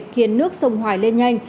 khiến nước sông hoài lên nhanh